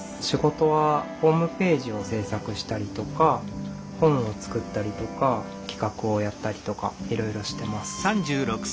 仕事はホームページを制作したりとか本を作ったりとか企画をやったりとかいろいろしてます。